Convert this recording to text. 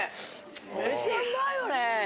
めちゃうまいよね？